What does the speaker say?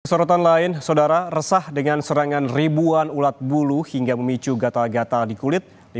sorotan lain saudara resah dengan serangan ribuan ulat bulu hingga memicu gatal gatal di kulit di